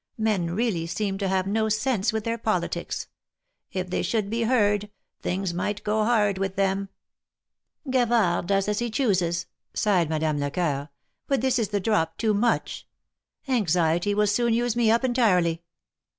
Men really seem to have no sense with their politics. If they should be heard, things might go hard with them." "Gavard does as he chooses," sighed Madame Lecoeur; " but this is the drop too much. Anxiety will soon use me up entirely."